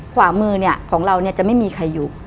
ขวามือของเราจะไม่มีใครอยู่